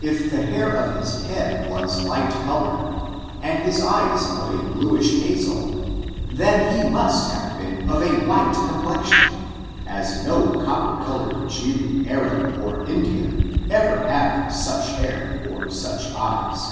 If the hair of his head was light colored, and his eyes of a blueish hazel, then he must have been of a «^iM 166 ORIGIN, CHAKACTEB, AVD white complexion, as no copper colored Jew, jliab^or Indian, ever have such hw, or such eyes.